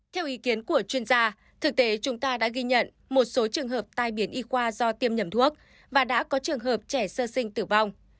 theo ý kiến của chuyên gia thực tế chúng ta đã ghi nhận một số trường hợp tai biến y khoa do tiêm nhầm thuốc và đã có trường hợp trẻ sơ sinh tử vong